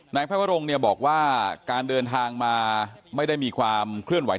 พระวรงเนี่ยบอกว่าการเดินทางมาไม่ได้มีความเคลื่อนไหว